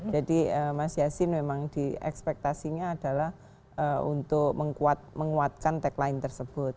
jadi mas yassin memang di ekspektasinya adalah untuk menguatkan tagline tersebut